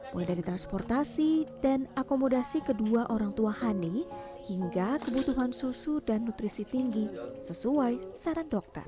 mulai dari transportasi dan akomodasi kedua orang tua hani hingga kebutuhan susu dan nutrisi tinggi sesuai saran dokter